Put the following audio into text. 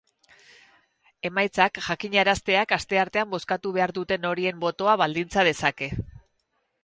Emaitzak jakinarazteak asteartean bozkatu behar duten horien botoa baldintza dezake.